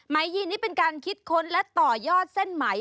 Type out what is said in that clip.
ยีนนี่เป็นการคิดค้นและต่อยอดเส้นไหม